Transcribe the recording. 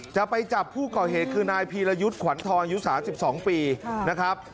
จะไปจับผู้ก่อเหตุคือนายพีรยุทธ์ขวัญทองอายุ๓๒ปีนะครับ